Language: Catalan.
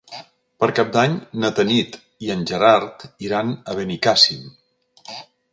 Per Cap d'Any na Tanit i en Gerard iran a Benicàssim.